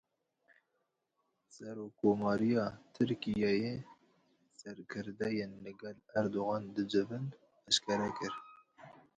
Serokkomariya Tirkiyeyê serkirdeyên li gel Erdogan dicivin eşkere kir.